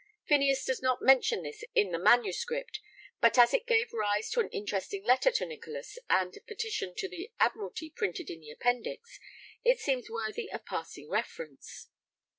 Phineas does not mention this in the manuscript, but as it gave rise to the interesting letter to Nicholas and petition to the Admiralty printed in the Appendix it seems worthy of passing reference.